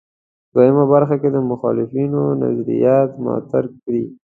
دوهمه برخه کې د مخالفانو نظریات مطرح کړي.